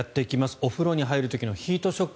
お風呂に入る時のヒートショック